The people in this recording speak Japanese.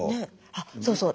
あそうそう。